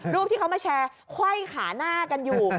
รูปที่เขามาแชร์ไขว้ขาหน้ากันอยู่